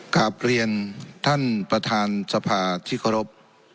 กลับเรียนท่านประธานสภาที่เคารพ